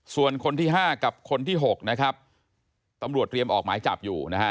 ส่วนคนที่๕กับคนที่๖นะครับตำรวจเตรียมออกหมายจับอยู่นะฮะ